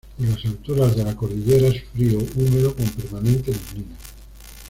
En las alturas de la cordillera es frío, húmedo con permanente neblina.